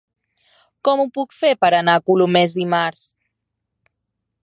Com ho puc fer per anar a Colomers dimarts?